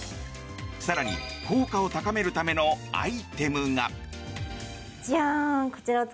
更に効果を高めるためのアイテムが。